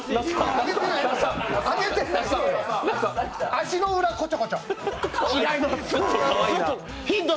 足の裏こちょこちょ。